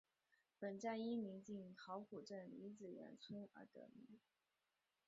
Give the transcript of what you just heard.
本站因临近桃浦镇李子园村而得名。